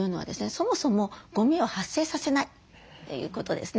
そもそもゴミを発生させないということですね。